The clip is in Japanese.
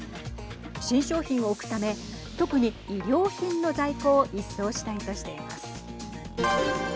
新商品を置くため特に衣料品の在庫を一掃したいとしています。